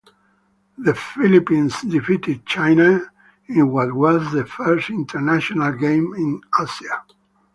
The Philippines defeated China in what was the first international game in Asia.